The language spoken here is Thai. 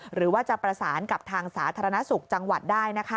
หรือว่าจะประสานกับทางสาธารณสุขจังหวัดได้นะคะ